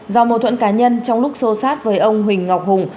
do mâu thuẫn cá nhân trong lúc xô sát với ông huỳnh ngọc hùng